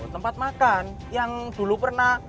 tempat makan yang dulu pernah